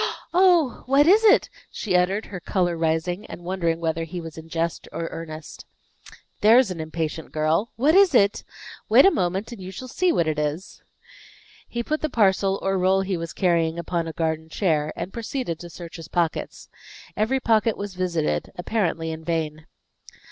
"Oh! What is it?" she uttered, her color rising, and wondering whether he was in jest or earnest. "There's an impatient girl! 'What is it?' Wait a moment, and you shall see what it is." He put the parcel or roll he was carrying upon a garden chair, and proceeded to search his pockets. Every pocket was visited, apparently in vain.